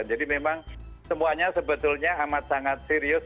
jadi memang semuanya sebetulnya amat sangat serius